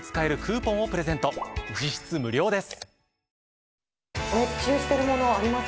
実質無料です。